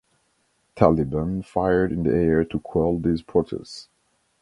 Taliban fired in the air to quell these protests.